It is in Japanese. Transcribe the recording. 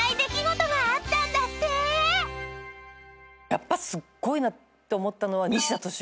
やっぱすっごいなって思ったのは。